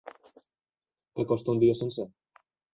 Que costa un dia sencer?